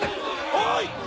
おい！